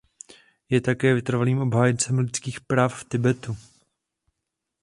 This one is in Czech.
Je také vytrvalým obhájcem lidských práv v Tibetu.